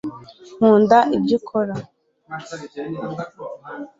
nkunda ibyo ukora